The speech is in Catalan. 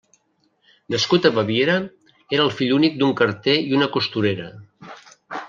Nascut a Baviera, era el fill únic d'un carter i una costurera.